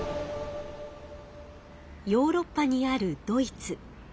ヨーロッパにあるドイツ。